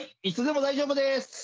いつでも大丈夫です。